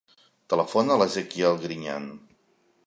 Telefona a l'Ezequiel Griñan.